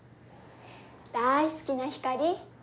だい好きなひかり。